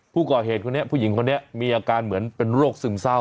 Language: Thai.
ผู้ก่อเหตุคนนี้ผู้หญิงคนนี้มีอาการเหมือนเป็นโรคซึมเศร้า